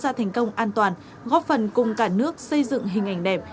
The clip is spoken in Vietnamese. đã đưa ra thành công an toàn góp phần cùng cả nước xây dựng hình ảnh đẹp